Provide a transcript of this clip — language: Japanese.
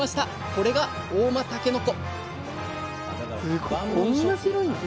これが合馬たけのこ！